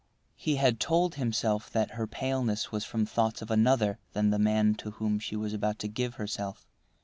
He had told himself that her paleness was from thoughts of another than the man to whom she was about to give herself.